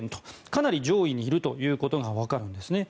かなり上位にいることがわかるんですね。